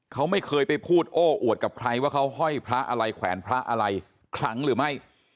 เขาไม่เคยไปพูดโอ้อวดกับใครว่าเขาห้อยพระอะไรแขวนพระอะไรคลังหรือไม่